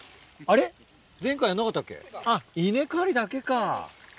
あっ稲刈りだけか。